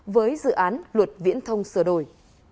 với dự án luật viễn thông sửa đổi